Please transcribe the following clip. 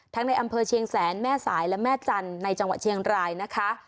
ในอำเภอเชียงแสนแม่สายและแม่จันทร์ในจังหวัดเชียงรายนะคะ